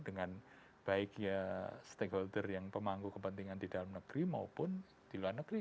dengan baik ya stakeholder yang pemangku kepentingan di dalam negeri maupun di luar negeri